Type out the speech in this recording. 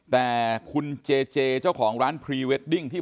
แต่คุณเจเจเจ้าของร้านพรีเวดดิ้งที่